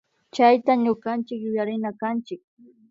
Chayta ñukanchik yuyarinakanchik